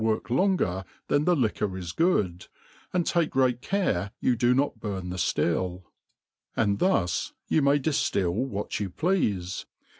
work longer than the liquor is good, and take great care you do not burn the ftill > and thus you may diftil what ygu pleafe.